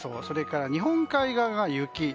それから日本海側が雪。